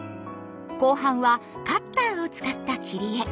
後半はカッターを使った切り絵。